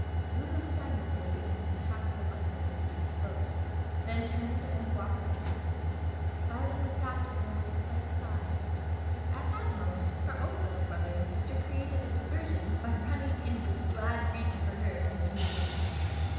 Lulu silently and half reluctantly kissed both, then turned and walked out of the room. Violet looked after her with a slight sigh, but at that moment her own little brother and sister created a diversion by running in with a glad greeting for her and the new baby.